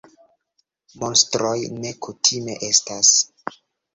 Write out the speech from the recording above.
Monstroj ne kutime estas.